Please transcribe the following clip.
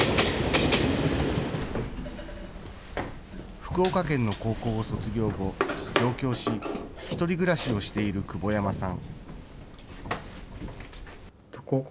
福岡県の高校を卒業後、上京し、１人暮らしをしている久保山さん。